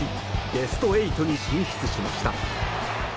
ベスト８に進出しました。